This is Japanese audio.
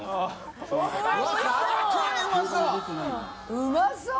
うまそう！